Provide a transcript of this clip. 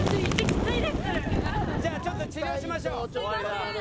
じゃあちょっと治療しましょう。